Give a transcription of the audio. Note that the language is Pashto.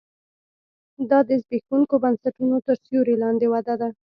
دا د زبېښونکو بنسټونو تر سیوري لاندې وده ده